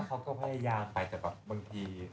เขาก็พยายามไปแต่แบบบางที